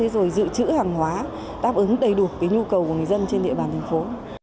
rồi dự trữ hàng hóa đáp ứng đầy đủ nhu cầu của người dân trên địa bàn thành phố